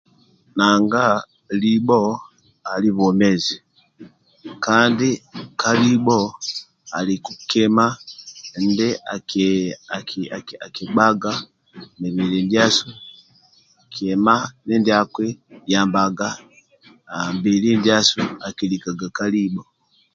Nanga libho ali bwomezi kandi kalibho aliku kima akigbaga mibili ndiasu kima mindia kiyambaga mbili ndiasu akilikaga ka libho